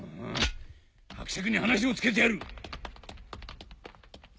伯爵に話をつけてやる！